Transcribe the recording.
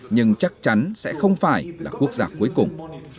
nhưng chắc chắn sẽ không phải là quốc gia cuối cùng